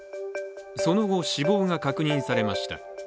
その後、死亡が確認されました。